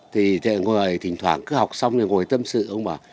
thì thỉnh thoảng cứ học xong rồi ngồi tâm sự ông bảo